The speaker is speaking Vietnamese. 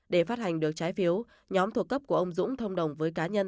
để phát hành được trái phiếu nhóm thuộc cấp của ông dũng thông đồng với cá nhân